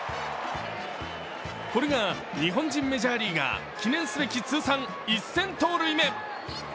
これが日本人メジャーリーガー記念すべき通算１０００盗塁目。